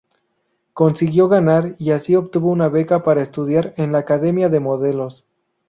Consiguió ganar y así obtuvo una beca para estudiar en la academia de modelos.